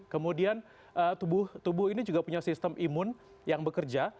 kemudian tubuh ini juga punya sistem imun yang bekerja